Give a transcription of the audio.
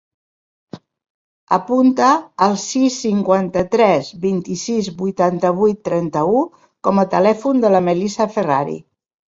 Apunta el sis, cinquanta-tres, vint-i-sis, vuitanta-vuit, trenta-u com a telèfon de la Melissa Ferrari.